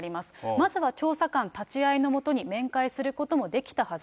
まずは調査官立ち会いの下に面会することもできたはず。